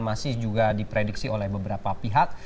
masih juga diprediksi oleh beberapa pihak